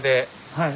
はい。